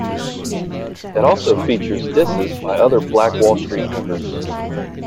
It also features disses by other Black Wall Street Members.